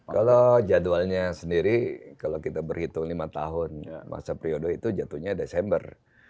kalau jadwalnya sendiri kalau kita berhitung lima tahun masa priodo itu jatuhnya desember dua ribu dua puluh empat